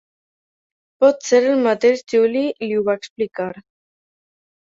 Potser el mateix Juli li ho va explicar.